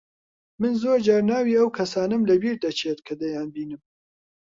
من زۆر جار ناوی ئەو کەسانەم لەبیر دەچێت کە دەیانبینم.